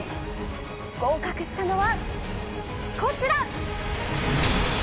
合格したのは、こちら！